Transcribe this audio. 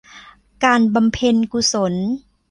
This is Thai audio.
การบำเพ็ญกุศล